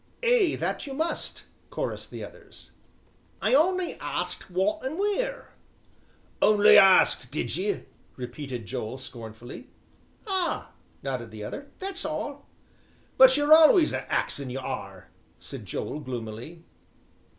"Ay, that ye must!" chorused the others. "I only axed 'wot an' wheer." "Only axed, did ye?" repeated Joel scornfully, "Ah," nodded the other, "that's all." "But you're always a axin', you are," said Joel gloomily.